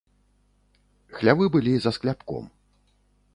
Хлявы былі за скляпком.